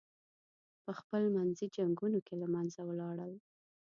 پخپل منځي جنګونو کې له منځه ولاړل.